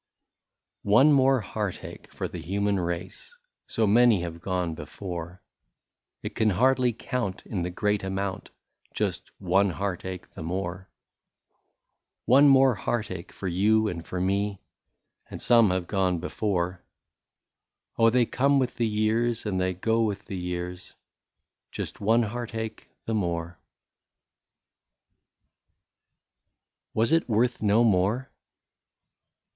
One more heart ache for the human race, So many have gone before, It can hardly count in the great amount, — Just one heart ache the more ! One more heart ache for you and for me, — And some have gone before ; Oh ! they come with the years, and they go with the years, — Just one heart ache the more ! 121 WAS IT WORTH NO MORE